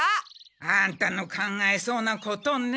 アンタの考えそうなことね。